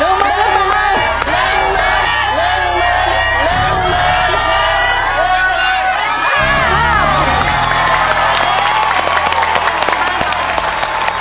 ลืมมัน